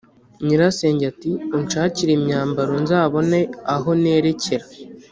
nyirasenge ati: "Unshakire imyambaro, nzabone aho nerekera